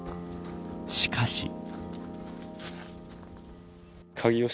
しかし。